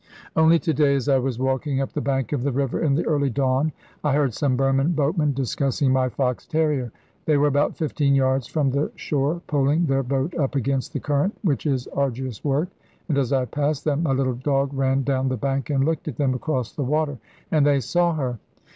Only to day, as I was walking up the bank of the river in the early dawn, I heard some Burman boatmen discussing my fox terrier. They were about fifteen yards from the shore, poling their boat up against the current, which is arduous work; and as I passed them my little dog ran down the bank and looked at them across the water, and they saw her.